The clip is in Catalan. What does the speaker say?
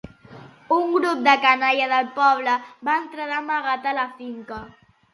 un grup de canalla del poble va entrar d'amagat a la finca